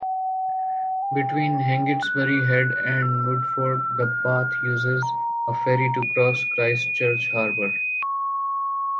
Between Hengistbury Head and Mudeford the path uses a ferry to cross Christchurch Harbour.